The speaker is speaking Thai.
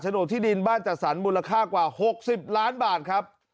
โหนดที่ดินบ้านจัดสรรมูลค่ากว่า๖๐ล้านบาทครับ